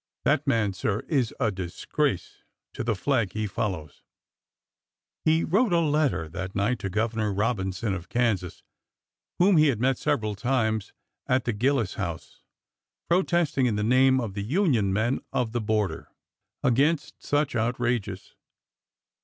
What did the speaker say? That man, sir, is a disgrace to the flag he follows !" He wrote a letter that night to Governor Robinson of Kansas, whom he had met several times at the Gillis House, protesting, in the name of the Union men of the border, against such outrages.